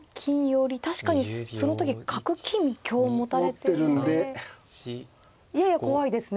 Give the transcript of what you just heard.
確かにその時角金香持たれてるのでやや怖いですね